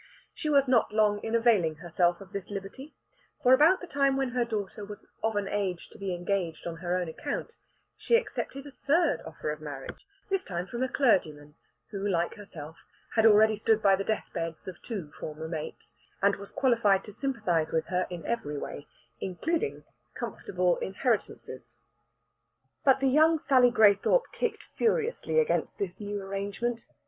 She was not long in availing herself of this liberty; for about the time when her daughter was of an age to be engaged on her own account, she accepted a third offer of marriage this time from a clergyman, who, like herself, had already stood by the death beds of two former mates, and was qualified to sympathize with her in every way, including comfortable inheritances. But the young Sally Graythorpe kicked furiously against this new arrangement.